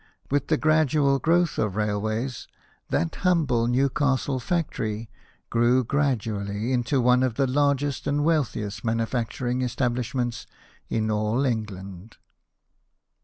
With the gradual growth of rail ways, that humble Newcastle factory grew gradually into one of the largest and wealthiest manufacturing establishments in all England.